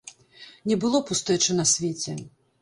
Не было пустэчы на свеце.